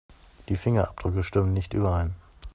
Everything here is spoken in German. Die Fingerabdrücke stimmen nicht überein.